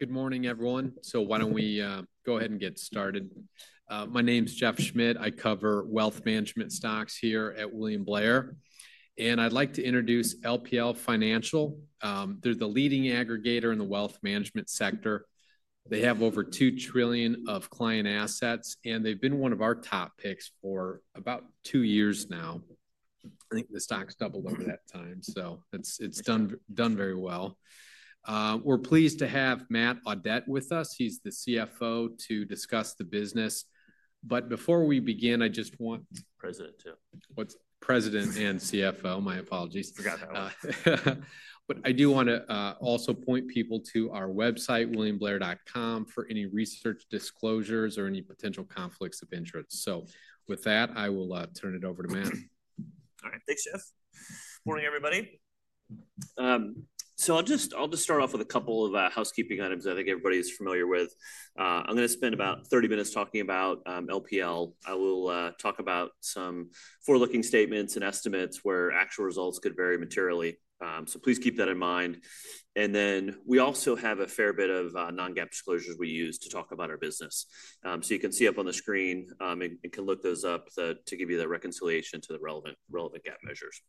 Good morning, everyone. Why don't we go ahead and get started? My name's Jeff Schmitt. I cover wealth management stocks here at William Blair, and I'd like to introduce LPL Financial. They're the leading aggregator in the wealth management sector. They have over $2 trillion of client assets, and they've been one of our top picks for about two years now. I think the stock's doubled over that time, so it's done very well. We're pleased to have Matt Audette with us. He's the CFO to discuss the business. Before we begin, I just want. President, too. What's, President and CFO. My apologies. You forgot that one. I do want to also point people to our website, williamblair.com, for any research disclosures or any potential conflicts of interest. With that, I will turn it over to Matt. All right. Thanks, Jeff. Morning, everybody. I'll just start off with a couple of housekeeping items that I think everybody's familiar with. I'm going to spend about 30 minutes talking about LPL. I will talk about some forward-looking statements and estimates where actual results could vary materially. Please keep that in mind. We also have a fair bit of non-GAAP disclosures we use to talk about our business. You can see up on the screen, and you can look those up to give you the reconciliation to the relevant GAAP measures.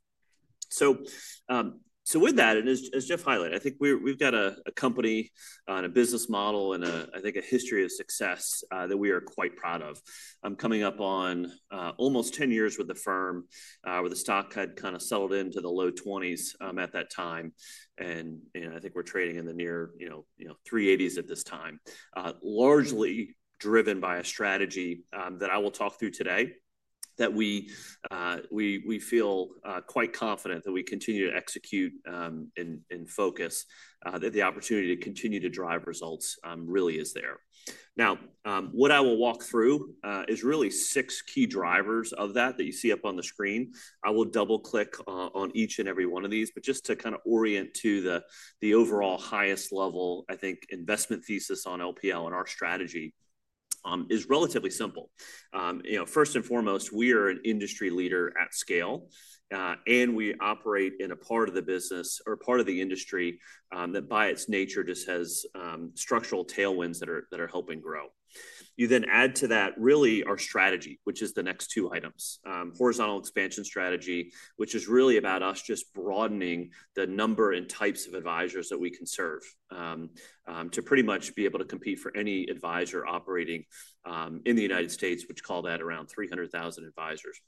With that, and as Jeff highlighted, I think we've got a company and a business model and, I think, a history of success that we are quite proud of. I'm coming up on almost 10 years with the firm, where the stock had kind of settled into the low 20s at that time. I think we're trading in the near 380s at this time, largely driven by a strategy that I will talk through today that we feel quite confident that we continue to execute and focus. That the opportunity to continue to drive results really is there. What I will walk through is really six key drivers of that that you see up on the screen. I will double-click on each and every one of these. Just to kind of orient to the overall highest level, I think investment thesis on LPL and our strategy is relatively simple. First and foremost, we are an industry leader at scale, and we operate in a part of the business or part of the industry that by its nature just has structural tailwinds that are helping grow. You then add to that really our strategy, which is the next two items, horizontal expansion strategy, which is really about us just broadening the number and types of advisors that we can serve to pretty much be able to compete for any advisor operating in the United States, which call that around 300,000 advisors.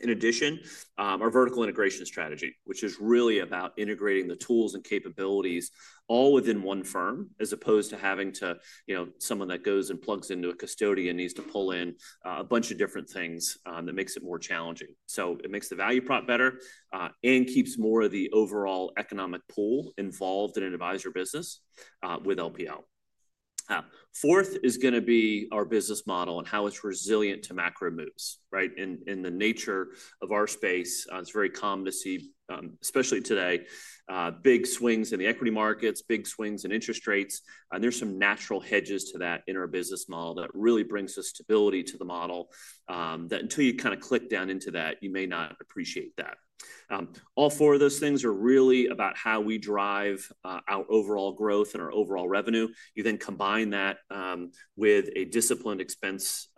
In addition, our vertical integration strategy, which is really about integrating the tools and capabilities all within one firm as opposed to having someone that goes and plugs into a custodian needs to pull in a bunch of different things that makes it more challenging. It makes the value prop better and keeps more of the overall economic pool involved in an advisor business with LPL. Fourth is going to be our business model and how it's resilient to macro moves, right? In the nature of our space, it's very common to see, especially today, big swings in the equity markets, big swings in interest rates. There are some natural hedges to that in our business model that really brings us stability to the model that until you kind of click down into that, you may not appreciate that. All four of those things are really about how we drive our overall growth and our overall revenue. You then combine that with a disciplined expense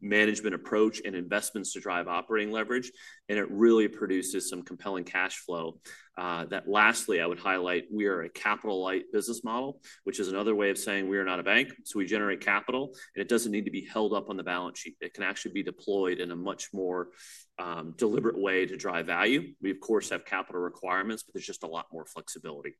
management approach and investments to drive operating leverage, and it really produces some compelling cash flow. Lastly, I would highlight we are a capital-light business model, which is another way of saying we are not a bank. We generate capital, and it doesn't need to be held up on the balance sheet. It can actually be deployed in a much more deliberate way to drive value. We, of course, have capital requirements, but there's just a lot more flexibility.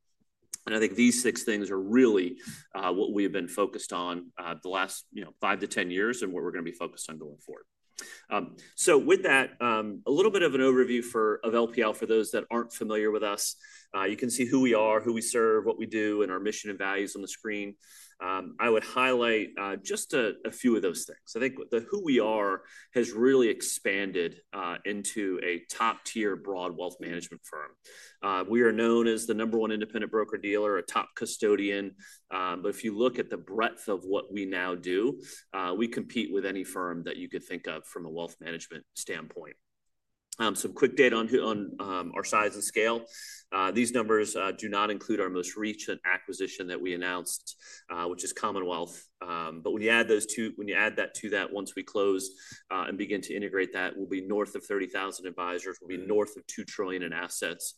I think these six things are really what we have been focused on the last five to 10 years and what we're going to be focused on going forward. With that, a little bit of an overview of LPL for those that aren't familiar with us. You can see who we are, who we serve, what we do, and our mission and values on the screen. I would highlight just a few of those things. I think the who we are has really expanded into a top-tier broad wealth management firm. We are known as the number one independent broker-dealer, a top custodian. If you look at the breadth of what we now do, we compete with any firm that you could think of from a wealth management standpoint. Some quick data on our size and scale. These numbers do not include our most recent acquisition that we announced, which is Commonwealth. When you add that to that, once we close and begin to integrate that, we'll be north of 30,000 advisors. We'll be north of $2 trillion in assets.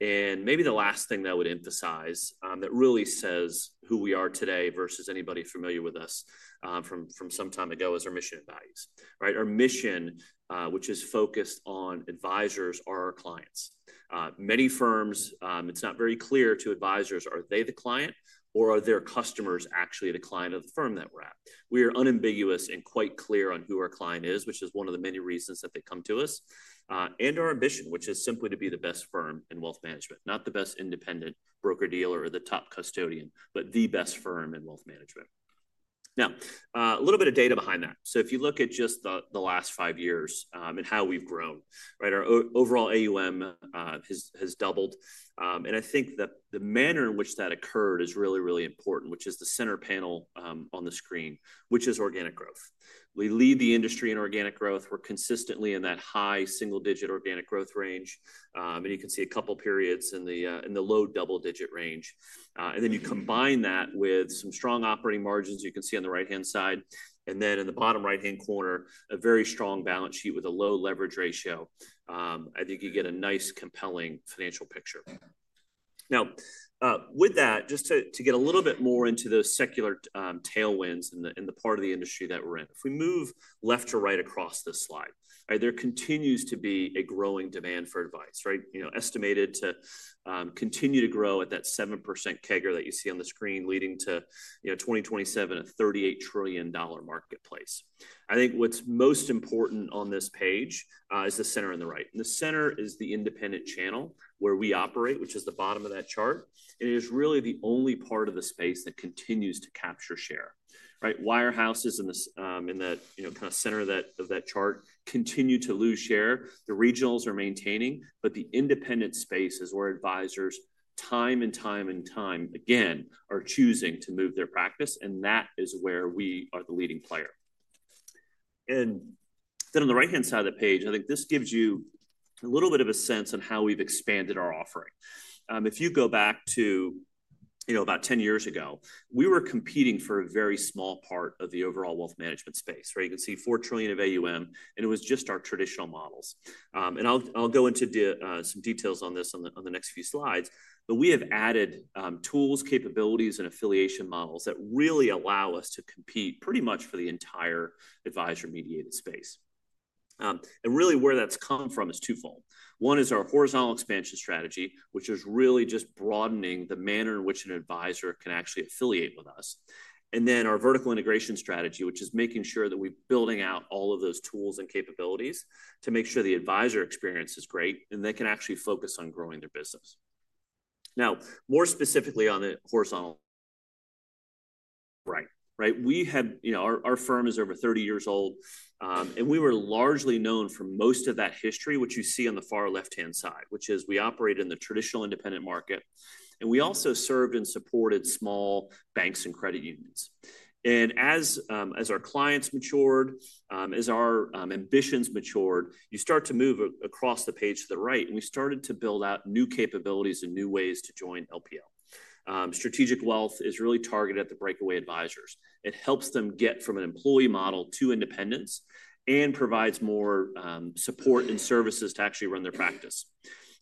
Maybe the last thing that I would emphasize that really says who we are today versus anybody familiar with us from some time ago is our mission and values, right? Our mission, which is focused on advisors, are our clients. Many firms, it's not very clear to advisors, are they the client or they're customers actually at the client of the firm that we're at? We are unambiguous and quite clear on who our client is, which is one of the many reasons that they come to us, and our ambition, which is simply to be the best firm in wealth management, not the best independent broker-dealer or the top custodian, but the best firm in wealth management. Now, a little bit of data behind that. If you look at just the last five years and how we've grown, right, our overall AUM has doubled. I think that the manner in which that occurred is really, really important, which is the center panel on the screen, which is organic growth. We lead the industry in organic growth. We're consistently in that high single-digit organic growth range. You can see a couple of periods in the low double-digit range. You combine that with some strong operating margins you can see on the right-hand side. And then in the bottom right-hand corner, a very strong balance sheet with a low leverage ratio. I think you get a nice compelling financial picture. Now, with that, just to get a little bit more into those secular tailwinds in the part of the industry that we're in, if we move left to right across this slide, there continues to be a growing demand for advice, right? Estimated to continue to grow at that 7% CAGR that you see on the screen, leading to 2027, a $38 trillion marketplace. I think what's most important on this page is the center on the right. The center is the independent channel where we operate, which is the bottom of that chart. It is really the only part of the space that continues to capture share, right? Wirehouses in the kind of center of that chart continue to lose share. The regionals are maintaining, but the independent space is where advisors time and time again are choosing to move their practice. That is where we are the leading player. On the right-hand side of the page, I think this gives you a little bit of a sense on how we've expanded our offering. If you go back to about 10 years ago, we were competing for a very small part of the overall wealth management space, right? You can see $4 trillion of AUM, and it was just our traditional models. I'll go into some details on this on the next few slides. We have added tools, capabilities, and affiliation models that really allow us to compete pretty much for the entire advisor-mediated space. Really where that's come from is twofold. One is our horizontal expansion strategy, which is really just broadening the manner in which an advisor can actually affiliate with us. Then our vertical integration strategy which is making sure that we're building out all of those tools and capabilities to make sure the advisor experience is great and they can actually focus on growing their business. Now, more specifically on the horizontal, right? Our firm is over 30 years old, and we were largely known for most of that history, which you see on the far left-hand side, which is we operated in the traditional independent market. We also served and supported small banks and credit unions. As our clients matured, as our ambitions matured, you start to move across the page to the right, and we started to build out new capabilities and new ways to join LPL. Strategic Wealth is really targeted at the breakaway advisors. It helps them get from an employee model to independence and provides more support and services to actually run their practice.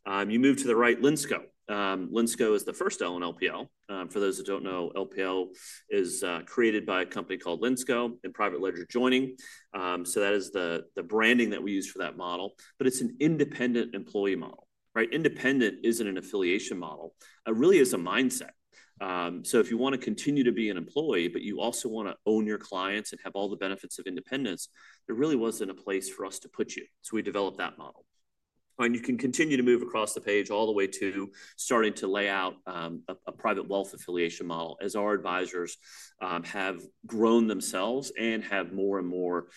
You move to the right, Linsco. Linsco is the first L in LPL. For those who don't know, LPL is created by a company called Linsco and Private Ledger joining. That is the branding that we use for that model. It is an independent employee model, right? Independent isn't an affiliation model. It really is a mindset. If you want to continue to be an employee, but you also want to own your clients and have all the benefits of independence, there really wasn't a place for us to put you. So we developed that model. You can continue to move across the page all the way to starting to lay out a private wealth affiliation model as our advisors have grown themselves and have more and more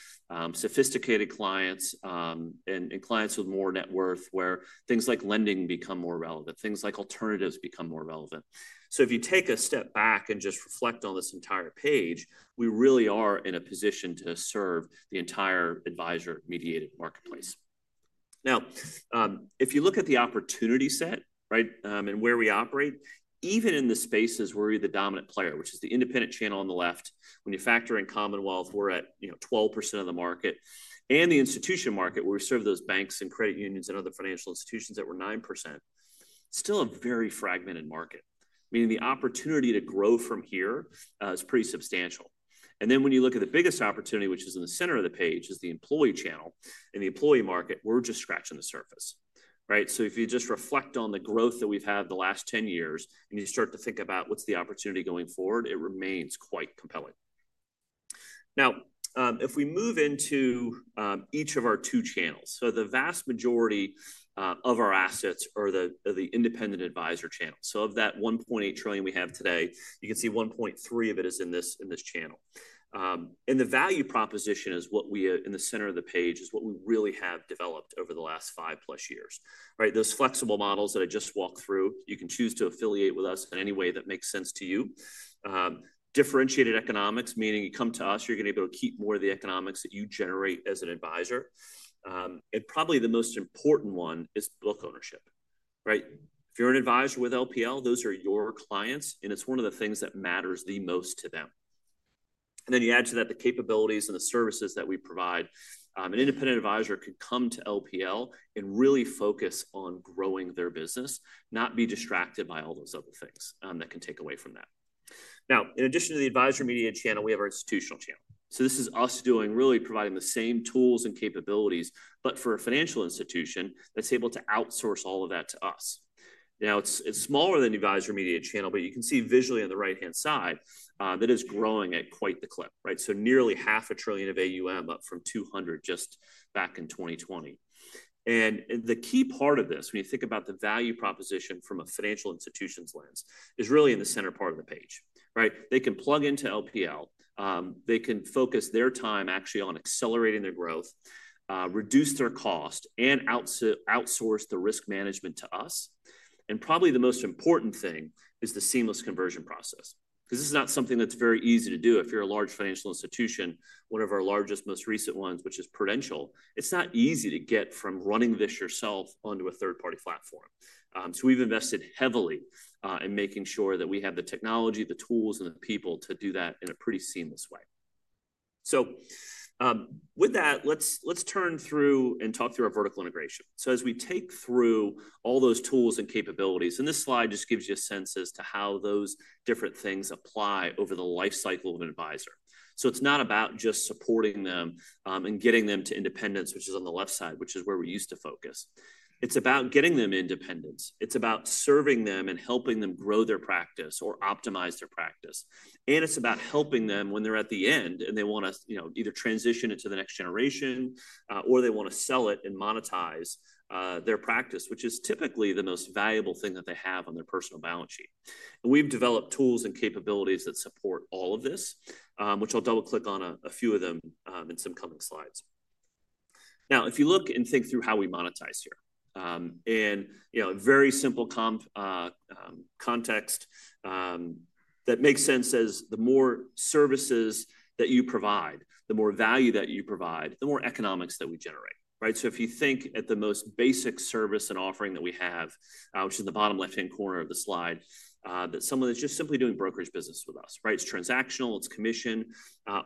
sophisticated clients and clients with more net worth where things like lending become more relevant, things like alternatives become more relevant. If you take a step back and just reflect on this entire page, we really are in a position to serve the entire advisor-mediated marketplace. Now, if you look at the opportunity set, right, and where we operate, even in the spaces where we're the dominant player, which is the independent channel on the left, when you factor in Commonwealth, we're at 12% of the market. And the institution market, where we serve those banks and credit unions and other financial institutions, we're 9%, still a very fragmented market, meaning the opportunity to grow from here is pretty substantial. When you look at the biggest opportunity, which is in the center of the page, is the employee channel and the employee market, we're just scratching the surface, right? If you just reflect on the growth that we've had the last 10 years and you start to think about what's the opportunity going forward, it remains quite compelling. Now, if we move into each of our two channels, the vast majority of our assets are the independent advisor channels. Of that $1.8 trillion we have today, you can see $1.3 trillion of it is in this channel. The value proposition is what we, in the center of the page, have really developed over the last five+ years, right? Those flexible models that I just walked through, you can choose to affiliate with us in any way that makes sense to you. Differentiated economics, meaning you come to us, you're going to be able to keep more of the economics that you generate as an advisor. Probably the most important one is book ownership, right? If you're an advisor with LPL, those are your clients, and it's one of the things that matters the most to them. Then you add to that the capabilities and the services that we provide. An independent advisor can come to LPL and really focus on growing their business, not be distracted by all those other things that can take away from that. Now, in addition to the advisor-mediated channel, we have our institutional channel. This is us really providing the same tools and capabilities, but for a financial institution that's able to outsource all of that to us. It is smaller than the advisor-mediated channel, but you can see visually on the right-hand side that it is growing at quite the clip, right? Nearly $500 billion of AUM, up from $200 billion just back in 2020. The key part of this, when you think about the value proposition from a financial institution's lens, is really in the center part of the page, right? They can plug into LPL. They can focus their time actually on accelerating their growth, reduce their cost, and outsource the risk management to us. Probably the most important thing is the seamless conversion process. This is not something that's very easy to do. If you're a large financial institution, one of our largest, most recent ones, which is Prudential, it's not easy to get from running this yourself onto a third-party platform. We have invested heavily in making sure that we have the technology, the tools, and the people to do that in a pretty seamless way. With that, let's turn through and talk through our vertical integration. As we take through all those tools and capabilities, this slide just gives you a sense as to how those different things apply over the lifecycle of an advisor. It's not about just supporting them and getting them to independence, which is on the left side, which is where we used to focus. It's about getting them independence. It's about serving them and helping them grow their practice or optimize their practice. It's about helping them when they're at the end and they want to either transition into the next generation or they want to sell it and monetize their practice, which is typically the most valuable thing that they have on their personal balance sheet. We've developed tools and capabilities that support all of this, which I'll double-click on a few of them in some coming slides. Now, if you look and think through how we monetize here, in a very simple context, that makes sense as the more services that you provide, the more value that you provide, the more economics that we generate, right? If you think at the most basic service and offering that we have, which is in the bottom left-hand corner of the slide, that someone is just simply doing brokerage business with us, right? It's transactional. It's commission.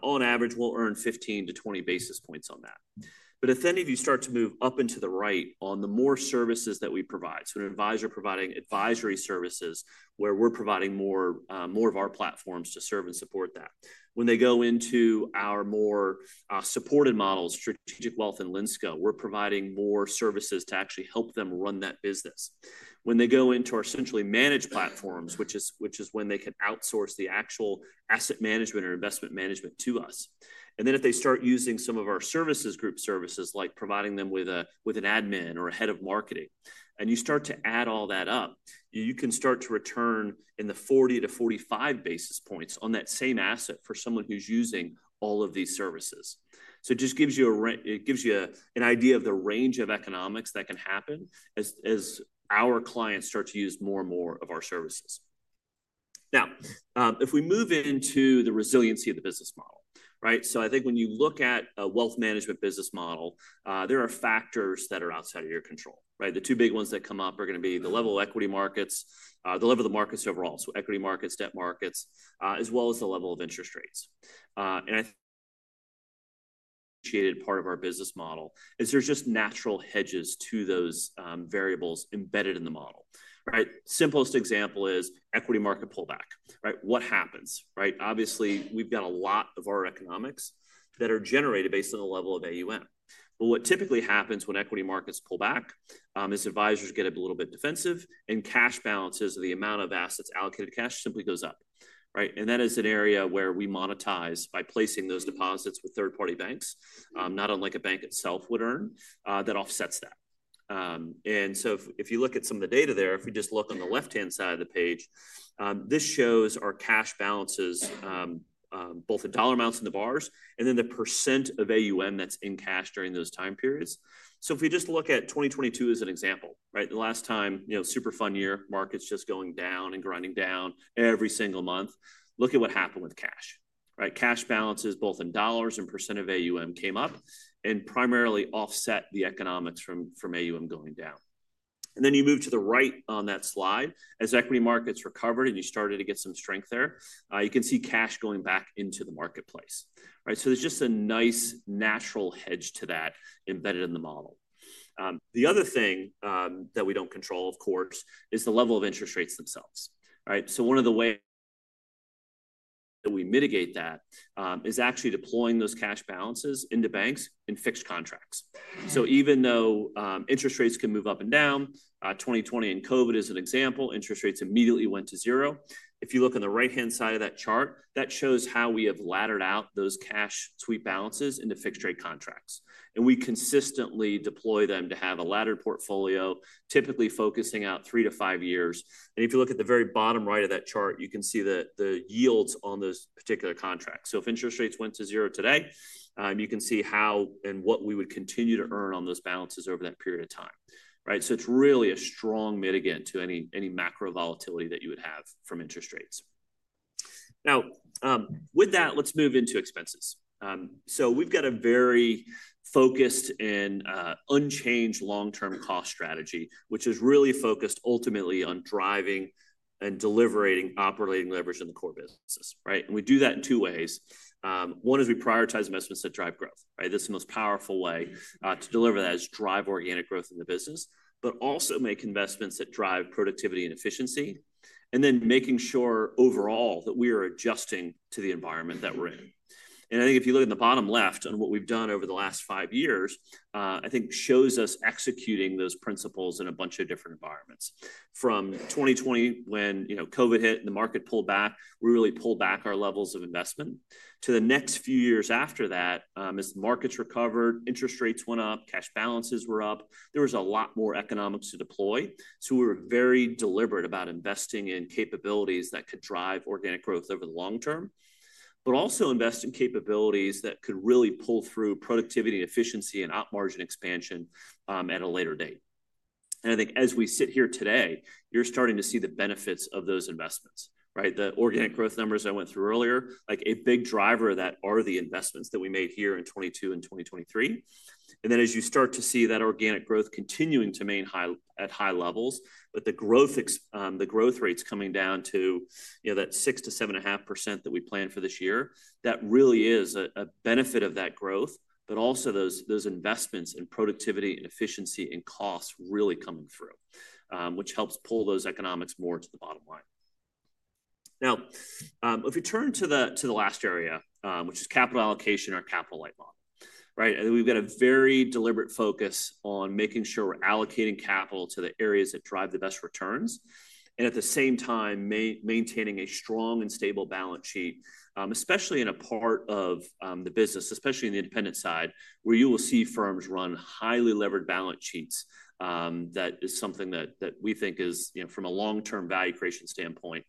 On average, we'll earn 15-20 basis points on that. If any of you start to move up into the right on the more services that we provide, an advisor providing advisory services where we're providing more of our platforms to serve and support that. When they go into our more supported models, Strategic Wealth and Linsco, we're providing more services to actually help them run that business. When they go into our centrally managed platforms, which is when they can outsource the actual asset management or investment management to us. If they start using some of our services group services, like providing them with an admin or a head of marketing, and you start to add all that up, you can start to return in the 40-45 basis points on that same asset for someone who's using all of these services. It just gives you an idea of the range of economics that can happen as our clients start to use more and more of our services. Now, if we move into the resiliency of the business model, right? I think when you look at a wealth management business model, there are factors that are outside of your control, right? The two big ones that come up are going to be the level of equity markets, the level of the markets overall, so equity markets, debt markets, as well as the level of interest rates. I think part of our business model is there's just natural hedges to those variables embedded in the model, right? Simplest example is equity market pullback, right? What happens, right? Obviously, we've got a lot of our economics that are generated based on the level of AUM. What typically happens when equity markets pull back is advisors get a little bit defensive and cash balances or the amount of assets allocated to cash simply goes up, right? That is an area where we monetize by placing those deposits with third-party banks, not unlike a bank itself would earn, that offsets that. If you look at some of the data there, if we just look on the left-hand side of the page, this shows our cash balances, both the dollar amounts in the bars and then the % of AUM that's in cash during those time periods. If we just look at 2022 as an example, right? The last time, super fun year, markets just going down and grinding down every single month. Look at what happened with cash, right? Cash balances, both in dollars and percent of AUM, came up and primarily offset the economics from AUM going down. And then you move to the right on that slide, as equity markets recovered and you started to get some strength there, you can see cash going back into the marketplace, right? There is just a nice natural hedge to that embedded in the model. The other thing that we don't control, of course, is the level of interest rates themselves, right? One of the ways that we mitigate that is actually deploying those cash balances into banks in fixed contracts. Even though interest rates can move up and down, 2020 and COVID is an example, interest rates immediately went to zero. If you look on the right-hand side of that chart, that shows how we have laddered out those cash sweep balances into fixed-rate contracts. We consistently deploy them to have a laddered portfolio, typically focusing out three to five years. If you look at the very bottom right of that chart, you can see the yields on those particular contracts. If interest rates went to zero today, you can see how and what we would continue to earn on those balances over that period of time, right? It is really a strong mitigant to any macro volatility that you would have from interest rates. Now, with that, let's move into expenses. We've got a very focused and unchanged long-term cost strategy, which is really focused ultimately on driving and delivering operating leverage in the core businesses, right? We do that in two ways. One is we prioritize investments that drive growth, right? This is the most powerful way to deliver that, is to drive organic growth in the business, but also make investments that drive productivity and efficiency, and then making sure overall that we are adjusting to the environment that we are in. I think if you look at the bottom left on what we have done over the last five years, I think it shows us executing those principles in a bunch of different environments. From 2020, when COVID hit and the market pulled back, we really pulled back our levels of investment. To the next few years after that, as markets recovered, interest rates went up, cash balances were up, there was a lot more economics to deploy. We were very deliberate about investing in capabilities that could drive organic growth over the long term, but also invest in capabilities that could really pull through productivity and efficiency and up margin expansion at a later date. I think as we sit here today, you're starting to see the benefits of those investments, right? The organic growth numbers I went through earlier, like a big driver of that are the investments that we made here in 2022 and 2023. As you start to see that organic growth continuing to maintain at high levels, but the growth rates coming down to that 6%-7.5% that we planned for this year, that really is a benefit of that growth, but also those investments in productivity and efficiency and costs really coming through, which helps pull those economics more to the bottom line. Now, if we turn to the last area, which is capital allocation or capital light model, right? We've got a very deliberate focus on making sure we are allocating capital to the areas that drive the best returns and at the same time maintaining a strong and stable balance sheet, especially in a part of the business, especially in the independent side, where you will see firms run highly levered balance sheets. That is something that we think from a long-term value creation standpoint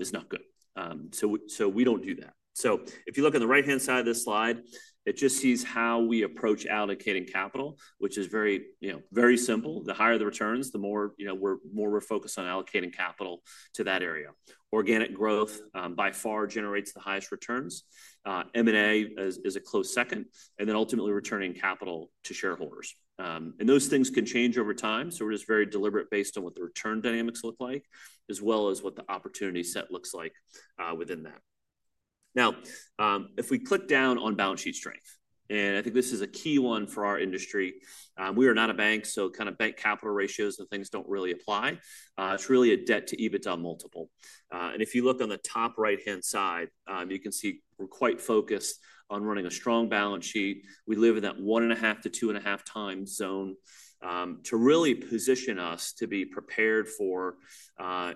is not good. We don't do that. If you look on the right-hand side of this slide, it just sees how we approach allocating capital, which is very simple. The higher the returns, the more we are focused on allocating capital to that area. Organic growth by far generates the highest returns. M&A is a close second, and then ultimately returning capital to shareholders. Those things can change over time. We are just very deliberate based on what the return dynamics look like, as well as what the opportunity set looks like within that. Now, if we click down on balance sheet strength, and I think this is a key one for our industry. We are not a bank, so kind of bank capital ratios and things don't really apply. It's really a debt to EBITDA multiple. If you look on the top right-hand side, you can see we're quite focused on running a strong balance sheet. We live in that one and a half to two and a half time zone to really position us to be prepared for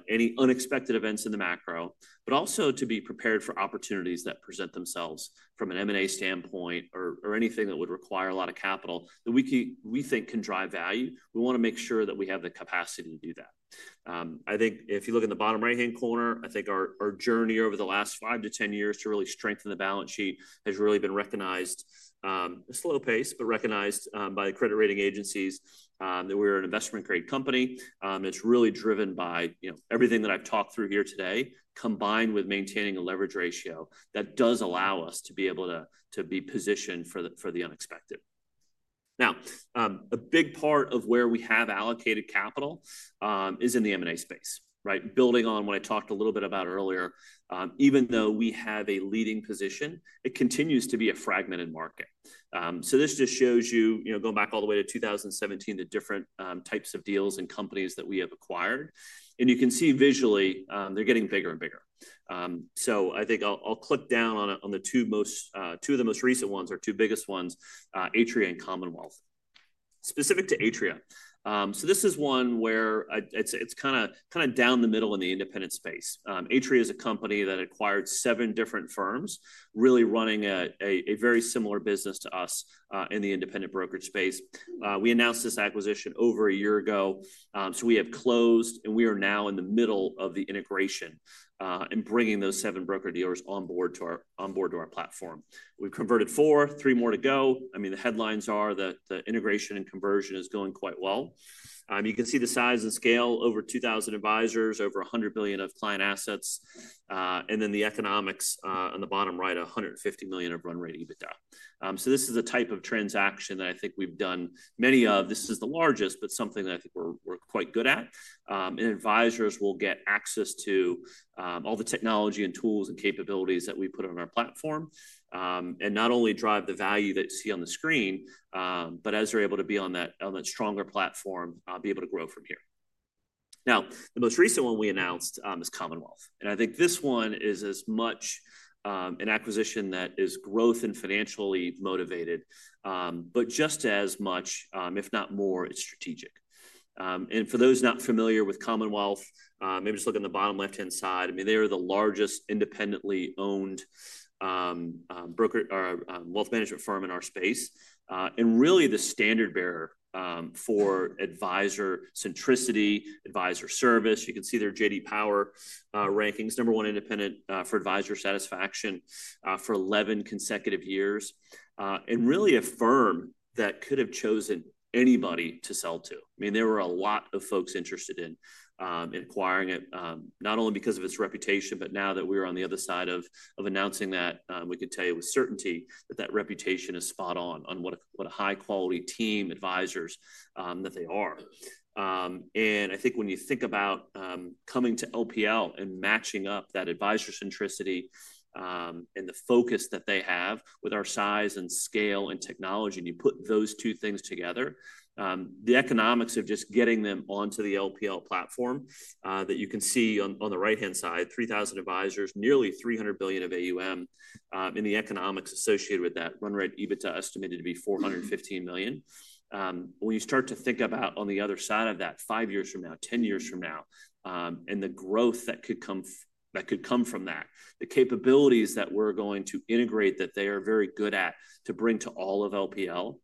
any unexpected events in the macro, but also to be prepared for opportunities that present themselves from an M&A standpoint or anything that would require a lot of capital that we think can drive value. We want to make sure that we have the capacity to do that. I think if you look in the bottom right-hand corner, I think our journey over the last five to 10 years to really strengthen the balance sheet has really been recognized at a slow pace, but recognized by the credit rating agencies that we're an investment-grade company. It's really driven by everything that I've talked through here today, combined with maintaining a leverage ratio that does allow us to be able to be positioned for the unexpected. Now, a big part of where we have allocated capital is in the M&A space, right? Building on what I talked a little bit about earlier, even though we have a leading position, it continues to be a fragmented market. This just shows you, going back all the way to 2017, the different types of deals and companies that we have acquired. You can see visually they're getting bigger and bigger. I think I'll click down on the two of the most recent ones or two biggest ones, Atria and Commonwealth. Specific to Atria, this is one where it's kind of down the middle in the independent space. Atria is a company that acquired seven different firms, really running a very similar business to us in the independent brokerage space. We announced this acquisition over a year ago. We have closed and we are now in the middle of the integration and bringing those seven broker dealers on board to our platform. We've converted four, three more to go. I mean, the headlines are the integration and conversion is going quite well. You can see the size and scale, over 2,000 advisors, over $100 million of client assets. Then the economics on the bottom right, $150 million of run rate EBITDA. This is the type of transaction that I think we have done many of. This is the largest, but something that I think we are quite good at. Advisors will get access to all the technology and tools and capabilities that we put on our platform and not only drive the value that you see on the screen, but as they're able to be on that stronger platform, be able to grow from here. The most recent one we announced is Commonwealth. I think this one is as much an acquisition that is growth and financially motivated, but just as much, if not more, it's strategic. For those not familiar with Commonwealth, maybe just look on the bottom left-hand side. I mean, they are the largest independently owned wealth management firm in our space and really the standard bearer for advisor centricity, advisor service. You can see their J.D. Power rankings, number one independent for advisor satisfaction for 11 consecutive years. Really a firm that could have chosen anybody to sell to. I mean, there were a lot of folks interested in acquiring it, not only because of its reputation, but now that we are on the other side of announcing that, we can tell you with certainty that that reputation is spot on on what a high-quality team advisors that they are. I think when you think about coming to LPL and matching up that advisor centricity and the focus that they have with our size and scale and technology, and you put those two things together, the economics of just getting them onto the LPL platform that you can see on the right-hand side, 3,000 advisors, nearly $300 billion of AUM in the economics associated with that, run rate EBITDA estimated to be $415 million. When you start to think about on the other side of that, five years from now, 10 years from now, and the growth that could come from that, the capabilities that we're going to integrate that they are very good at to bring to all of LPL,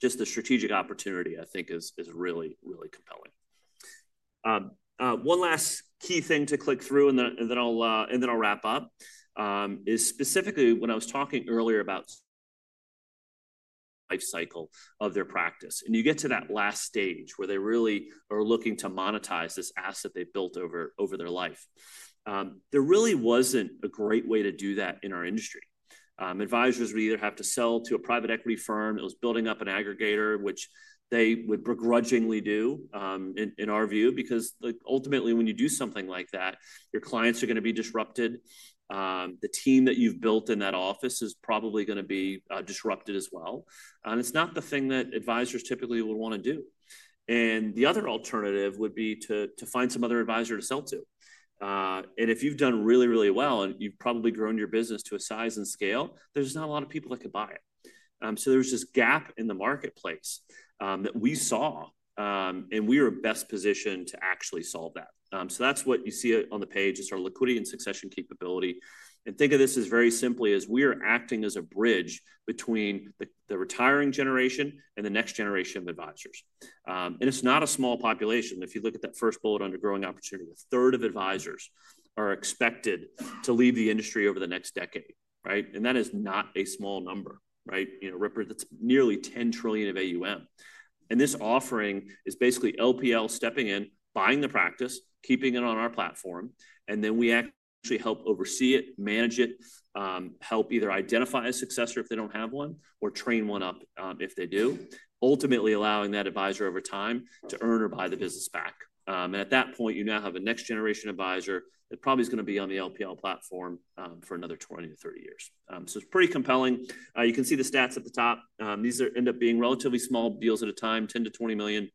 just the strategic opportunity, I think, is really, really compelling. One last key thing to click through and then I'll wrap up is specifically when I was talking earlier about life cycle of their practice. And you get to that last stage where they really are looking to monetize this asset they've built over their life. There really wasn't a great way to do that in our industry. Advisors would either have to sell to a private equity firm. It was building up an aggregator, which they would begrudgingly do in our view because ultimately when you do something like that, your clients are going to be disrupted. The team that you've built in that office is probably going to be disrupted as well. It is not the thing that advisors typically would want to do. The other alternative would be to find some other advisor to sell to. If you've done really, really well and you've probably grown your business to a size and scale, there's not a lot of people that could buy it. There is this gap in the marketplace that we saw and we were best positioned to actually solve that. That is what you see on the page is our liquidity and succession capability. Think of this as very simply as we are acting as a bridge between the retiring generation and the next generation of advisors. It is not a small population. If you look at that first bullet under growing opportunity, 1/3 of advisors are expected to leave the industry over the next decade, right? That is not a small number, right? That is nearly $10 trillion of AUM. This offering is basically LPL stepping in, buying the practice, keeping it on our platform, and then we actually help oversee it, manage it, help either identify a successor if they don't have one, or train one up if they do, ultimately allowing that advisor over time to earn or buy the business back. At that point, you now have the next generation advisor that probably is going to be on the LPL platform for another 20-30 years. It is pretty compelling. You can see the stats at the top. These end up being relatively small deals at a time, $10 million-$20 million.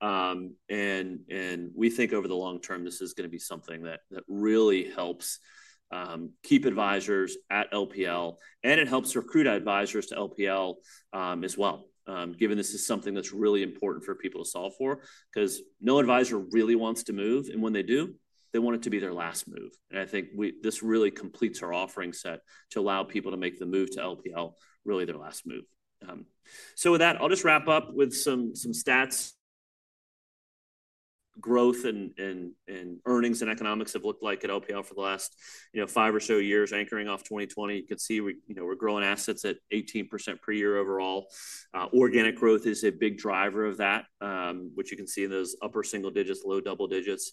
We think over the long term, this is going to be something that really helps keep advisors at LPL, and it helps recruit advisors to LPL as well, given this is something that's really important for people to solve for because no advisor really wants to move. When they do, they want it to be their last move. I think this really completes our offering set to allow people to make the move to LPL, really their last move. With that, I'll just wrap up with some stats. Growth and earnings and economics have looked like at LPL for the last five or so years, anchoring off 2020. You can see we're growing assets at 18% per year overall. Organic growth is a big driver of that, which you can see in those upper single digits, low double digits,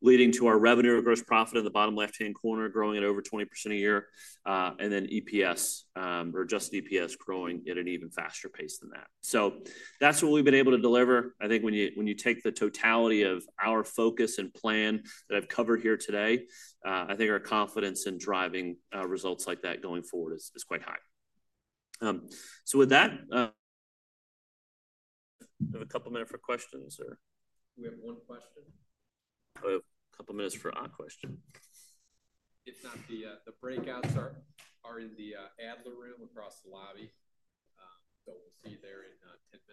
leading to our revenue or gross profit in the bottom left-hand corner growing at over 20% a year. And then EPS, or just EPS, growing at an even faster pace than that. That's what we've been able to deliver. I think when you take the totality of our focus and plan that I've covered here today, I think our confidence in driving results like that going forward is quite high. With that, do we have a couple of minutes for questions or? We have one question. A couple of minutes for our question? If not, the breakouts are in the Adler room across the lobby. We'll see you there in 10 minutes.